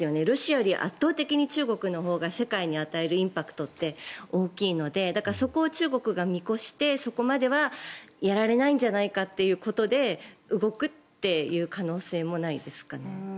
ロシアより圧倒的に中国のほうが世界に与えるインパクトって大きいのでそこを中国が見越してそこまではやられないんじゃないかということで動くという可能性もないですかね？